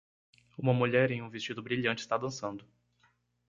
Uma mulher em um vestido brilhante está dançando.